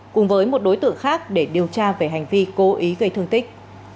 cùng với một đối tượng khác để điều tra về hành vi cố ý gây thương tích